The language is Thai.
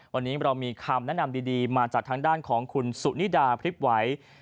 วันนี้เรามีคำแนะนำดีมาจากทางด้านของคุณสุนิดาพริบไหว